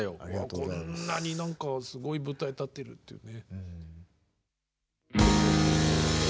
こんなにすごい舞台立ってるっていうね。